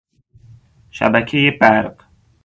شبکهی برق